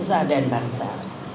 nusa dan bangsa